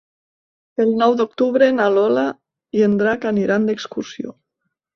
El nou d'octubre na Lola i en Drac aniran d'excursió.